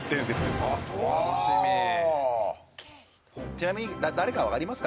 ちなみに誰かわかりますか？